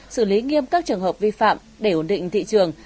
xử lý nghiêm các trường hợp vi phạm để ổn định thị trường